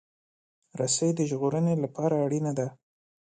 رسۍ د ژغورنې لپاره اړینه ده.